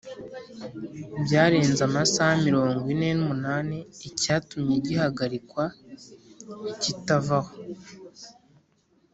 byarenza amasaha mirongo ine n’umunani icyatumye gihagalikwa kitavaho